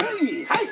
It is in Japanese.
はい！